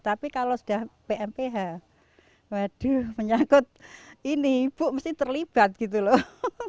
tapi kalau sudah pmph waduh menyakut ini ibu mesti terlibat gitu loh